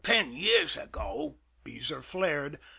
"Ten years ago!" Beezer flared.